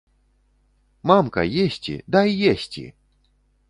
Мамка, есці, дай есці!